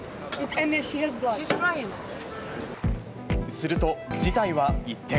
すると、事態は一転。